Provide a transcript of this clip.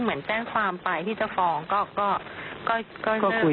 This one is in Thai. เพราะว่าเราบอกว่าให้หยิบทุกฝ่ายก็ต้องพูดกดคำอย่างสุด